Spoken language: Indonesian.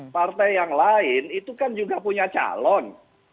partai yang lain itu kan juga punya calon